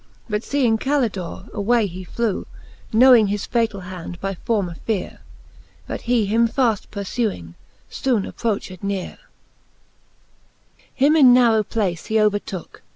But feeing Calidore^ away he flew, Knowing his fatall hand by former feare ; But he him faft purfuing, foone approched neare. XXVI. Him in a narrow place he overtooke.